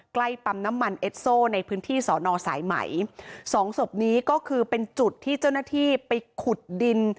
ใกล้ปั๊มน้ำมันเอสโซในพื้นที่สอนอสายไหมสองศพนี้ก็คือเป็นจุดที่เจ้าหน้าที่ไปขุดดิน